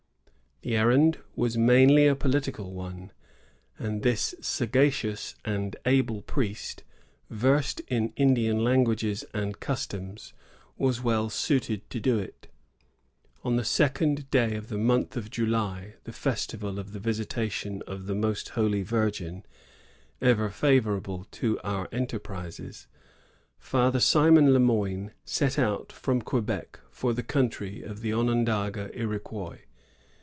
The errand was mainly a political one; and this sagacious and able priest, versed in Indian languages and customs, was well suited to do it. ^On the second day of the month of July, the festival of the Visitation of the Most Holy Virgin, ever favor able to our enterprises, Father Simon Le Moyne set out from Quebec for the countiy of the Onondaga Iroquois."